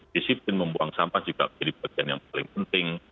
disiplin membuang sampah juga menjadi bagian yang paling penting